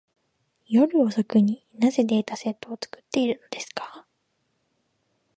夜遅くに、なぜデータセットを作っているのですか。